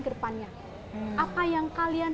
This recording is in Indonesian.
ke depannya apa yang kalian